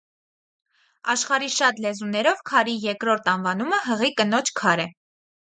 Աշխարհի շատ լեզուներով քարի երկրորդ անվանումը «հղի կնոջ քար» է։